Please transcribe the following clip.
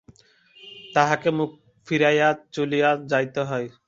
তাঁহাকে মুখ ফিরাইয়া চলিয়া যাইতে হয়।